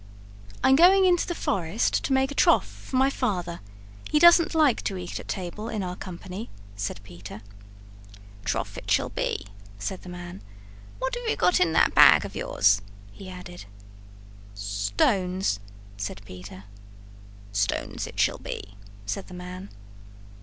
"I'm going into the forest to make a trough for my father. He doesn't like to eat at table in our company," said Peter. "Trough it shall he!" said the man. "What have you got in that bag of yours?" he added. "Stones," said Peter. "Stones it shall be," said the man.